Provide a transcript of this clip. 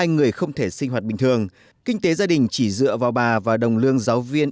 hai người không thể sinh hoạt bình thường kinh tế gia đình chỉ dựa vào bà và đồng lương giáo viên